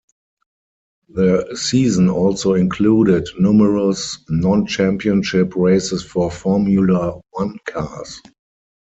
The season also included numerous non-championship races for Formula One cars.